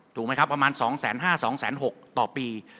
ถูกไหมครับประมาณ๒๕๐๐๒๖๐๐ต่อปี